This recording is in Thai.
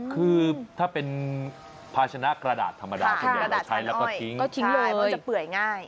คือถ้าเป็นภาชนะกระดาษธรรมดาเราใช้แล้วก็ทิ้งมันจะเปื่อยง่าย